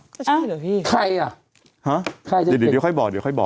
ก็ใช่เหรอพี่ใครอ่ะฮะใครเดี๋ยวค่อยบอกเดี๋ยวค่อยบอก